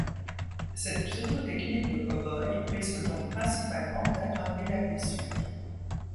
Cette pseudo-technique de cow-boy risque donc principalement d'aggraver la blessure.